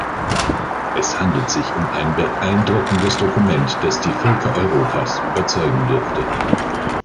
Es handelt sich um ein beeindruckendes Dokument, das die Völker Europas überzeugen dürfte.